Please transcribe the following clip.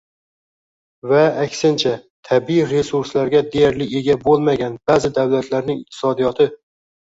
Va, aksincha, tabiiy resurslarga deyarli ega bo‘lmagan ba’zi davlatlarning iqtisodiyoti